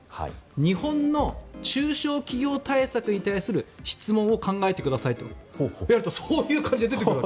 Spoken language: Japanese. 日本の中小企業対策に対する質問を考えてくださいとやるとそういう感じで出てくる。